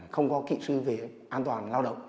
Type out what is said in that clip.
không có kỹ sư về an toàn lao động